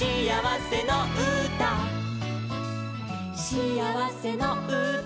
「しあわせのうた」